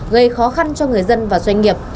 gây khó khăn cho người dân và doanh nghiệp